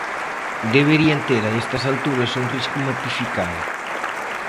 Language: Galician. Deberían ter a estas alturas un risco mapificado.